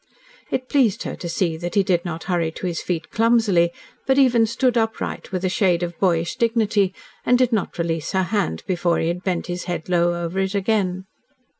It pleased her to see that he did not hurry to his feet clumsily, but even stood upright, with a shade of boyish dignity, and did not release her hand before he had bent his head low over it again.